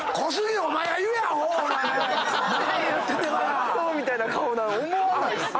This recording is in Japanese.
納豆みたいな顔なの思わないっすよ。